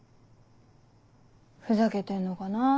ふざけてんのかなって。